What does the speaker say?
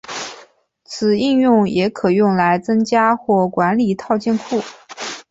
此应用也可用来增加或管理套件库。